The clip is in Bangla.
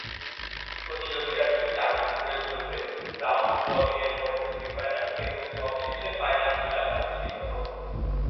প্রতিযোগিতাটি চারদিন ধরে চলবে, রাউন্ড রবিন এর পরে সেমিফাইনাল এবং সব শেষে ফাইনাল খেলা অনুষ্ঠিত হবে।